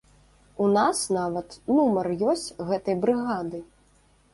У нас нават нумар ёсць гэтай брыгады.